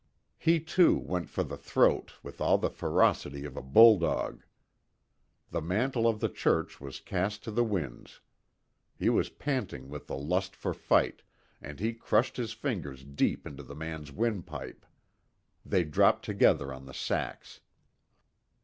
He, too, went for the throat, with all the ferocity of a bulldog. The mantle of the church was cast to the winds. He was panting with the lust for fight, and he crushed his fingers deep into the man's windpipe. They dropped together on the sacks.